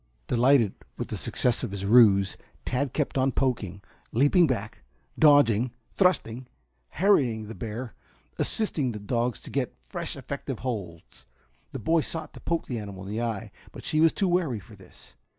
] Delighted with the success of his ruse, Tad kept on poking, leaping back, dodging, thrusting, harrying the bear, assisting the dogs to get fresh and effective holds. The boy sought to poke the animal in the eye, but she was too wary for this.